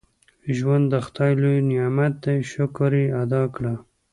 • ژوند د خدای لوی نعمت دی، شکر یې ادا کړه.